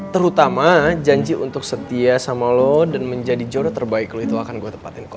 terutama janji untuk setia sama lo dan menjadi juara terbaik lo itu akan gue tempatin kok